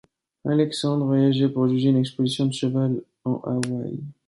Alexandre, voyageaient pour juger une exposition de cheval en Hawaï.